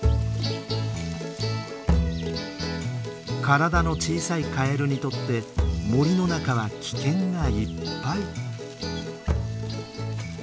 体の小さいカエルにとって森の中は危険がいっぱい。